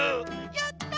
やった！